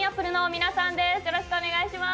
よろしくお願いします。